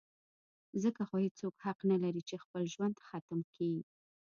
ځکه خو هېڅوک حق نه لري چې خپل ژوند ختم کي.